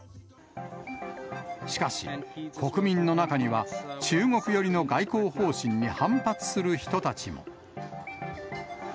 しかし、国民の中には中国寄りの外交方針に反発する人たちも。